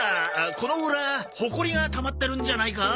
このウラホコリがたまってるんじゃないか？